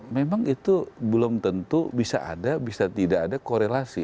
memang itu belum tentu bisa ada bisa tidak ada korelasi